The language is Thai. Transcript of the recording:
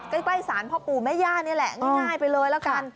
ใกล้สารพ่อปู่แม่ย่านี่แหละง่ายไปเลยแล้วกัน